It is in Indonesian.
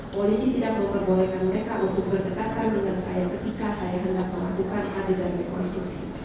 polisi tidak memperbolehkan mereka untuk berdekatan dengan saya ketika saya hendak melakukan adegan rekonstruksi